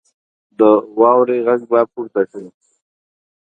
د واورې غږ به پورته شو.